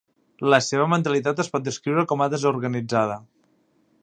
La seva mentalitat es pot descriure com a desorganitzada.